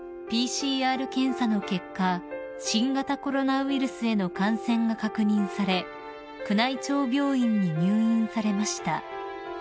ＰＣＲ検査の結果新型コロナウイルスへの感染が確認され宮内庁病院に入院されました］